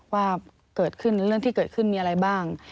ว่าเรื่องที่เกิดขึ้นมีอะไรบ้าง